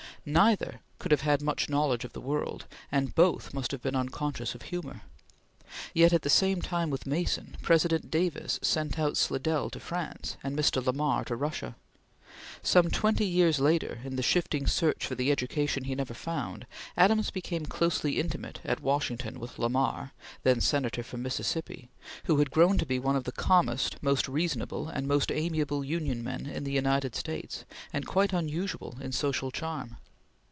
Neither could have had much knowledge of the world, and both must have been unconscious of humor. Yet at the same time with Mason, President Davis sent out Slidell to France and Mr. Lamar to Russia. Some twenty years later, in the shifting search for the education he never found, Adams became closely intimate at Washington with Lamar, then Senator from Mississippi, who had grown to be one of the calmest, most reasonable and most amiable Union men in the United States, and quite unusual in social charm.